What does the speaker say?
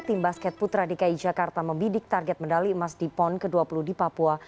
tim basket putra dki jakarta membidik target medali emas di pon ke dua puluh di papua